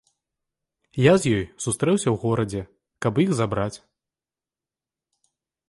Я з ёй сустрэўся ў горадзе, каб іх забраць.